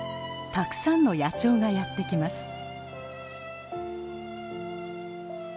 たくさんの野鳥がやって来ます。